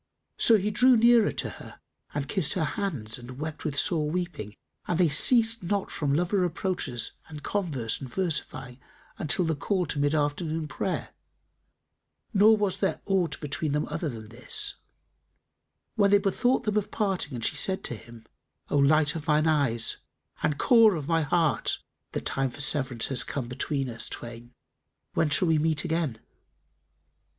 So he drew nearer to her and kissed her hands and wept with sore weeping and they ceased not from lover reproaches and converse and versifying, until the call to mid afternoon prayer (nor was there aught between them other than this), when they bethought them of parting and she said to him, "O light of mine eyes and core of my heart, the time of severance has come between us twain: when shall we meet again?"